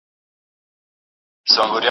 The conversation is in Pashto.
د هلکانو لیلیه په غلطه توګه نه تشریح کیږي.